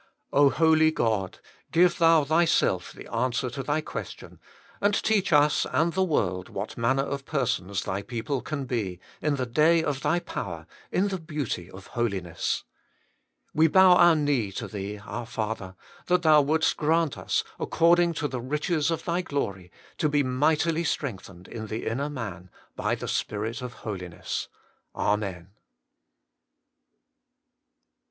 Holy God ! give Thou Thyself the answer to Thy question, and teach us and the world what manner of persons Thy people can be, in the day of Thy power, in the beauty of holiness. We bov? our knee to Thee, Father, that Thou wouldst grant us, according to the riches of Thy glory, to be mightily strengthened in the inner man by the Spirit of Holiness. Amen.